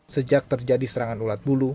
sejak terjadi serangan ulat bulu